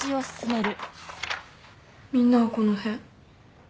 みんなはこの辺。